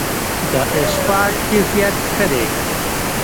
د اسفالټ کیفیت ښه دی؟